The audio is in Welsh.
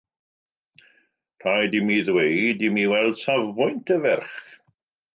Rhaid imi ddweud imi weld safbwynt y ferch.